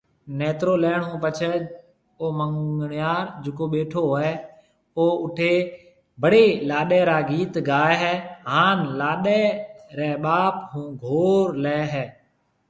نيترو ليڻ ھونپڇي او منڱڻهار جڪو ٻيٺو هوئي او اُٺي ڀڙي لاڏي را گيت گاوي هي هان لاڏي ري ٻاپ ھونگھور لي هي